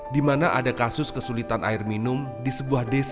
di mana ada kasus kesulitan air minum di sebuah desa